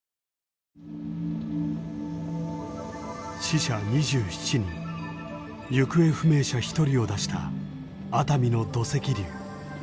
死者２７人行方不明者１人を出した熱海の土石流。